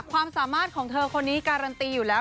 ความสามารถของเธอคนนี้การันตีอยู่แล้ว